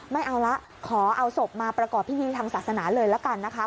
ไม่เอาละขอเอาศพมาประกอบพิธีทางศาสนาเลยละกันนะคะ